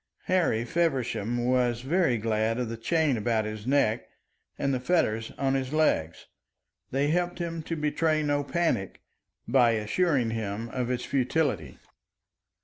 Harry Feversham was very glad of the chain about his neck and the fetters on his legs. They helped him to betray no panic, by assuring him of its futility.